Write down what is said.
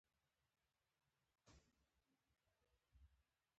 ځغاسته د شکر لرونکو لپاره مهمه ده